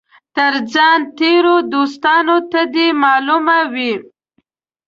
تر ځان تېرو دوستانو ته دي معلومه وي.